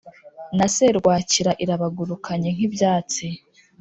na serwakira irabagurukanye nk’ibyatsi.